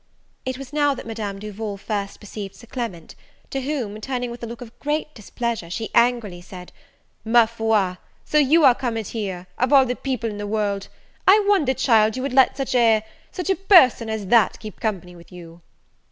It was now that Madame Duval first perceived Sir Clement; to whom, turning with a look of great displeasure, she angrily said, "Ma foi, so you are comed here, of all the people in the world! I wonder, child, you would let such a such a person as that keep company with you."